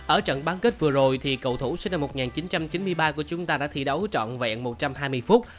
ở trận bán kết vừa rồi thì cầu thủ sinh năm một nghìn chín trăm chín mươi ba của chúng ta đã thi đấu trọn vẹn một trăm hai mươi phút